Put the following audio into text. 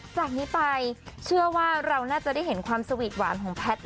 จากนี้ไปเชื่อว่าเราน่าจะได้เห็นความสวีทหวานของแพทย์